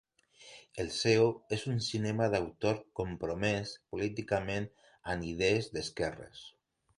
El seu és un cinema d'autor compromès políticament amb idees d'esquerres.